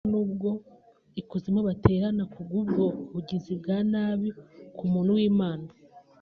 Ariko nubwo ikuzimu baterana kubw’ubwo bugizi bwa nabi ku muntu w’Imana